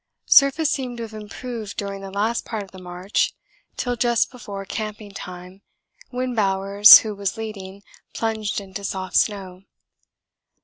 Surface seemed to have improved during the last part of the march till just before camping time, when Bowers, who was leading, plunged into soft snow.